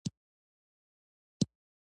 د ظلم انجام بد وي